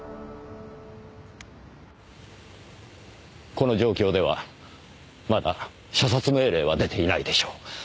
この状況ではまだ射殺命令は出ていないでしょう。